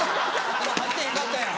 今入ってへんかったやん。